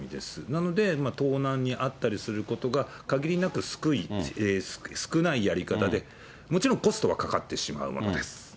なので、盗難に遭ったりすることがかぎりなく少ないやり方で、もちろんコストはかかってしまうわけです。